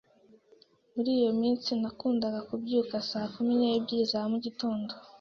Muri iyo minsi, nakundaga kubyuka saa kumi n'ebyiri za mu gitondo.